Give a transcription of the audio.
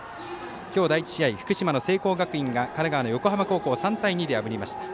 今日第１試合、福島の聖光学院が神奈川の横浜高校３対２で破りました。